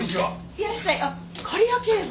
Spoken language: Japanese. いらっしゃいあっ狩矢警部。